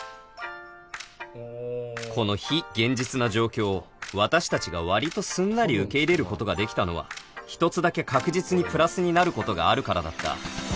この非現実な状況を私たちが割とすんなり受け入れることができたのは１つだけ確実にプラスになることがあるからだった